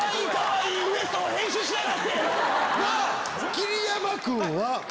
桐山君は。